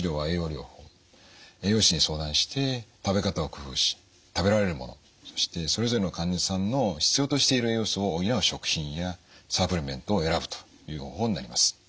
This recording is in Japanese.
栄養士に相談して食べ方を工夫し食べられるものそしてそれぞれの患者さんの必要としている栄養素を補う食品やサプリメントを選ぶという方法になります。